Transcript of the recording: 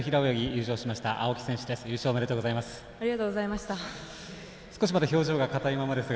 優勝、おめでとうございます。